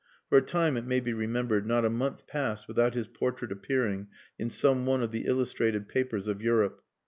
For a time, it may be remembered, not a month passed without his portrait appearing in some one of the illustrated papers of Europe.